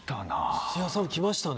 土屋さん来ましたね。